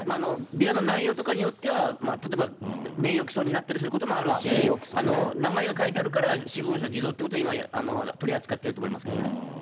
ビラの内容とかによっては、例えば、名誉毀損になったりすることもあるし、名前が書いてあるから、私文書偽造ということで、今は取り扱ってると思いますけどね。